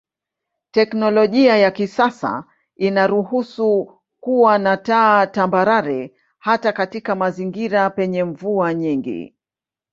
Teknolojia ya kisasa inaruhusu kuwa na taa tambarare hata katika mazingira penye mvua nyingi.